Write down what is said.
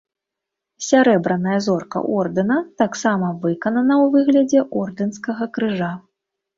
Сярэбраная зорка ордэна таксама выканана ў выглядзе ордэнскага крыжа.